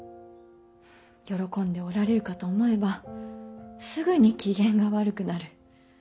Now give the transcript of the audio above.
喜んでおられるかと思えばすぐに機嫌が悪くなる。